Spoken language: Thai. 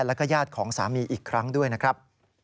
แล้วก็ญาติของสามีอีกครั้งด้วยนะครับ